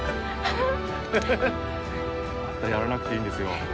ハハハあんたやらなくていいんですよ